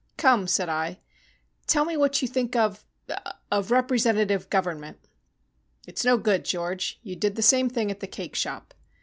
"Come," said I, "tell me what you think of of representative government." "It's no good, George. You did the same thing at the cake shop.